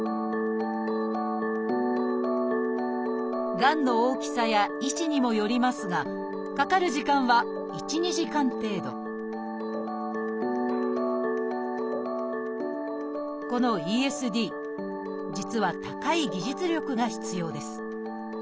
がんの大きさや位置にもよりますがかかる時間は１２時間程度このＥＳＤ実は高い技術力が必要です。